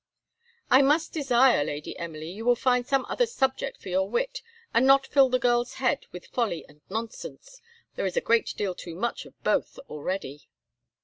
"I must desire, Lady Emily, you will find some other subject for your wit, and not fill the girl's head with folly and nonsense; there is a great deal too much of both already."